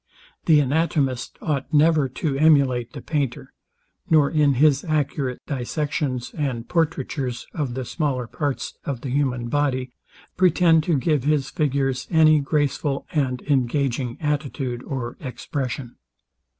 The anatomist ought never to emulate the painter; nor in his accurate dissections and portraitures of the smaller parts of the human body, pretend to give his figures any graceful and engaging attitude or expression.